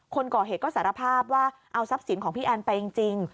คนก่อเหตุก็สารภาพว่าเอาทรัพย์สินของพี่แอนไปจริง